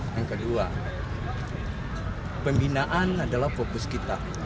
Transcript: yang kedua pembinaan adalah fokus kita